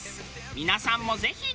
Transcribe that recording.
皆さんもぜひ！